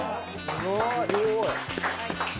すごい！